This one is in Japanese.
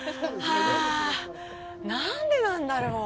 ハァァ、何でなんだろう？